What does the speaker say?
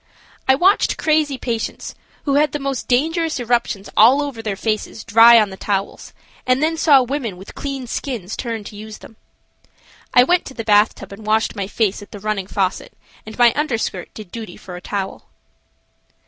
I watched crazy patients who had the most dangerous eruptions all over their faces dry on the towels and then saw women with clean skins turn to use them. I went to the bathtub and washed my face at the running faucet and my underskirt did duty for a towel.